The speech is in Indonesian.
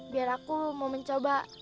biar aku mau mencoba